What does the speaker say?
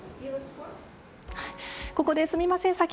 ここですみません。